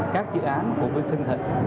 các dự án của quân sơn thịnh